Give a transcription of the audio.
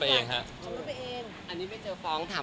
เจ้าฟองเนี่ยเคยบอกว่า